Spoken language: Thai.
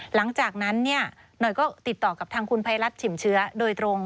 หลังจากนั้นเนี่ยหน่อยก็ติดต่อกับทางคุณภัยรัฐฉิมเชื้อโดยตรง